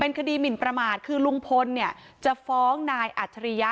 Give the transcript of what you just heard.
คดีหมินประมาทคือลุงพลเนี่ยจะฟ้องนายอัจฉริยะ